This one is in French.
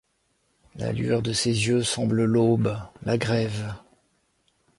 La lueur de ses yeux semble l’aube ; la grève